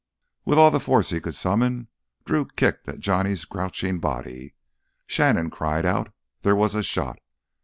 With all the force he could summon Drew kicked at Johnny's crouching body. Shannon cried out—there was a shot.